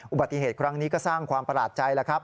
อุบัติเหตุครั้งนี้ก็สร้างความประหลาดใจแล้วครับ